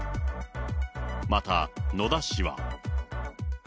また野田氏は。